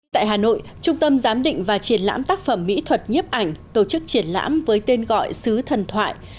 tại hà nội trung tâm giám định và triển lãm tác phẩm mỹ thuật nhếp ảnh tổ chức triển lãm với tên gọi xứ thần thoại